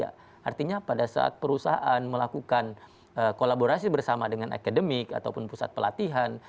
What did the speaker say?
artinya pada saat perusahaan melakukan kolaborasi bersama dengan akademik ataupun pusat pelatihan